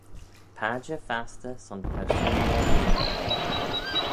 Padjer fastyr son persoon er lheh.